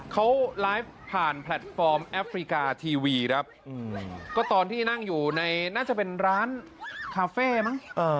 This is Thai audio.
เขาไลฟ์ผ่านแพลตฟอร์มแอฟริกาทีวีครับก็ตอนที่นั่งอยู่ในน่าจะเป็นร้านคาเฟ่มั้ง